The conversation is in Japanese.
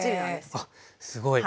へえあっすごい。